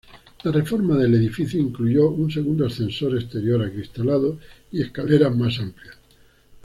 La reforma del edificio incluyó un segundo ascensor exterior acristalado y escaleras más amplias.